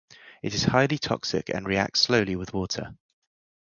It is highly toxic and reacts slowly with water.